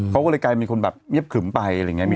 เขาก็เลยกลายเป็นคนแบบเงียบขึมไปอะไรอย่างนี้